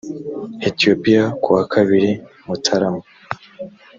ethiopia ku wa kabiri mutarama